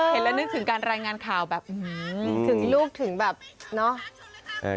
เห็นแล้วนึกถึงการรายงานข่าวแบบถึงลูกถึงแบบเนาะ